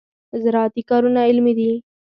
زراعتي کارونه علمي دي.